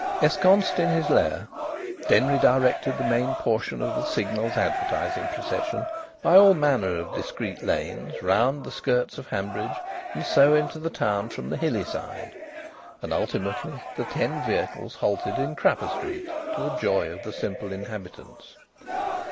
Ensconced in his lair Denry directed the main portion of the Signal's advertising procession by all manner of discreet lanes round the skirts of Hanbridge and so into the town from the hilly side. And ultimately the ten vehicles halted in Crapper Street, to the joy of the simple inhabitants.